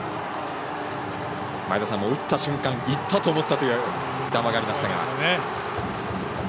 前田さんも打った瞬間いったと思ったという談話がありましたが。